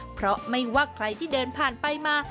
เพราะไม่ว่าใครที่เดินผ่านไปมา